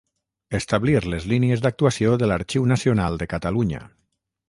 Establir les línies d'actuació de l'Arxiu Nacional de Catalunya.